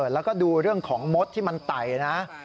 แล้วก็ดูเรื่องของมดที่มันไต่นะ